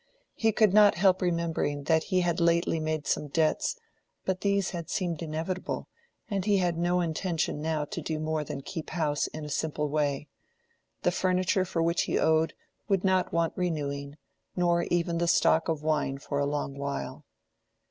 He could not help remembering that he had lately made some debts, but these had seemed inevitable, and he had no intention now to do more than keep house in a simple way. The furniture for which he owed would not want renewing; nor even the stock of wine for a long while.